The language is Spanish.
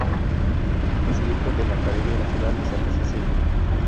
Es miembro de la Academia Nacional de Santa Cecilia.